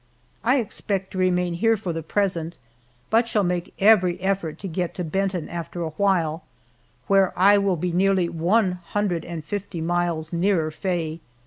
I expect to remain here for the present, but shall make every effort to get to Benton after a while, where I will be nearly one hundred and fifty miles nearer Faye.